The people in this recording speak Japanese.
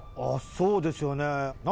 そうですよね。